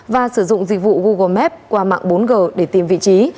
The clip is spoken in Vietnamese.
và sử dụng dịch vụ google map qua mạng bốn g để tìm vị trí